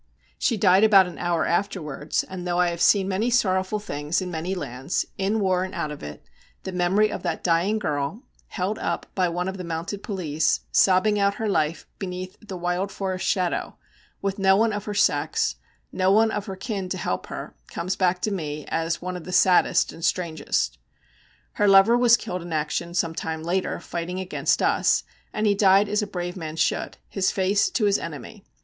She died about an hour afterwards, and though I have seen many sorrowful things in many lands, in war and out of it, the memory of that dying girl, held up by one of the mounted police, sobbing out her life beneath the wild forest shadow, with no one of her sex, no one of her kin to help her, comes back to me as one of the saddest and strangest. Her lover was killed in action some time later fighting against us, and he died as a brave man should, his face to his enemy.